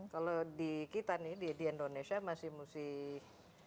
kalau di indonesia masih musik